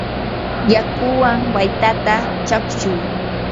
yakuwan waytata chaqchuy.